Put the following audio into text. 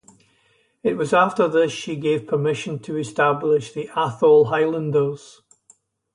It was after this she gave permission to establish the Atholl Highlanders.